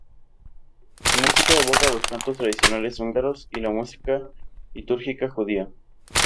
Su música evoca los cantos tradicionales húngaros y la música litúrgica judía.